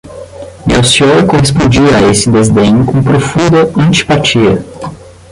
Melcior correspondia a esse desdém com profunda antipatia.